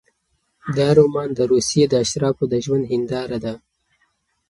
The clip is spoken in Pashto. دا رومان د روسیې د اشرافو د ژوند هینداره ده.